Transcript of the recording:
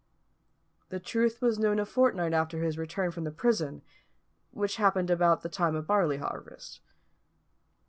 The truth was known a fortnight after his return from prison, which happened about the time of barley harvest.